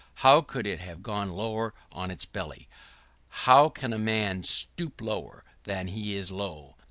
How could it have gone lower on its belly? How can a man stoop lower than he is low?